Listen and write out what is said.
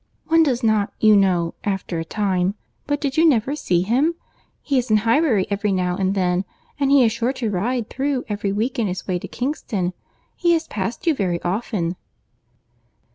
One does not, you know, after a time. But did you never see him? He is in Highbury every now and then, and he is sure to ride through every week in his way to Kingston. He has passed you very often."